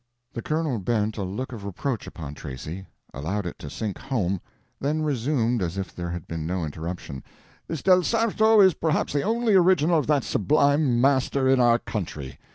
The colonel bent a look of reproach upon Tracy, allowed it to sink home, then resumed as if there had been no interruption— "This del Sarto is perhaps the only original of that sublime master in our country.